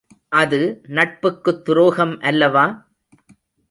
அது நட்புக்குத்துரோகம் அல்லவா?